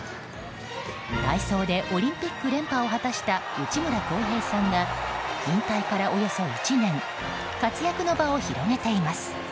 体操でオリンピック連覇を果たした内村航平さんが引退からおよそ１年活躍の場を広げています。